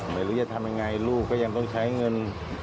ไม่รู้จะทำยังไงลูกก็ยังต้องใช้เงิน